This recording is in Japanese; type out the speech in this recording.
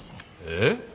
えっ？